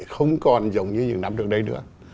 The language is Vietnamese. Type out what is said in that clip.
không còn giống như những năm trước đây nữa